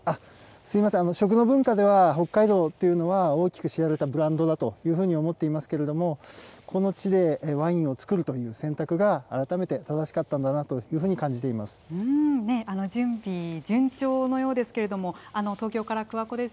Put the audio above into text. すみません、食の文化では、北海道というのは大きく知られたブランドだというふうに思っていますけれども、この地でワインを造るという選択が改めて正しかったんだなというふうに感じていま準備、順調のようですけれども、東京から桑子です。